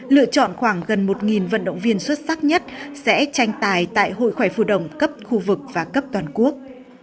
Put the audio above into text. lựa chọn khoảng gần một vận động viên xuất sắc nhất sẽ tranh tài tại hội khỏe phụ đồng cấp khu vực và cấp toàn quốc